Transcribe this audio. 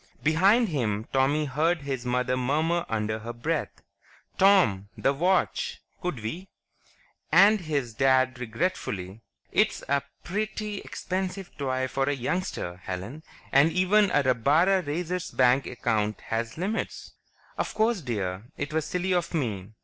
Behind him, Tommy heard his mother murmur under her breath, "Tom ... the watch; could we?" And his Dad regretfully, "It's a pretty expensive toy for a youngster, Helen. And even a rabbara raiser's bank account has limits." "Of course, dear; it was silly of me."